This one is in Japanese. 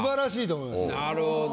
なるほど。